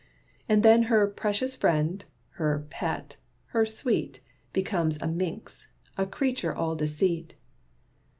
And then her 'precious friend,' her 'pet,' her 'sweet,' Becomes a 'minx,' a 'creature all deceit.'